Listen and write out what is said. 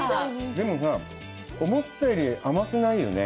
でもさ、思ったより甘くないよね。